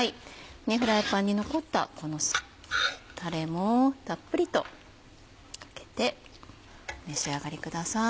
フライパンに残ったこのタレもたっぷりとかけてお召し上がりください。